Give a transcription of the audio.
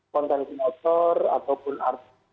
konten sinator ataupun artis